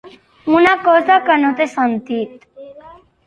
Una cosa que no té sentit.